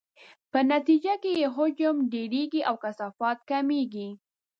په نتیجې کې یې حجم ډیریږي او کثافت کمیږي.